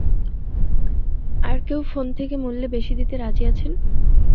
আর কেউ ফোন থেকে মুল্যে বেশি দিতে রাজি আছেন?